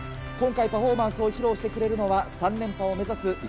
今回、パフォーマンスを披露してくれるのは、３連覇を目指す